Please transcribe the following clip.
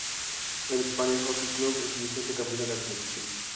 El Espanya Hockey Club es el vigente campeón de la competición.